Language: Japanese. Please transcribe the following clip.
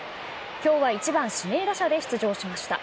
きょうは１番指名打者で出場しました。